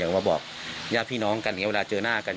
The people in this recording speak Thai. อยากมาบอกพี่น้องเวลาเจอหน้ากัน